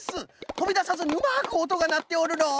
とびださずにうまくおとがなっておるのう。